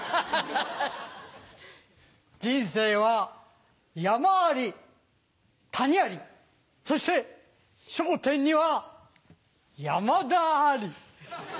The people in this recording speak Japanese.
人生は山あり、谷あり、そして笑点には山田あり。